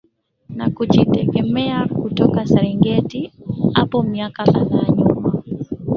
na kujitegemea kutoka Serengeti hapo miaka kadhaa nyuma